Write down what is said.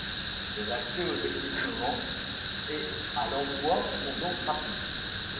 Les accès aux équipements et à l'emploi sont donc rapides.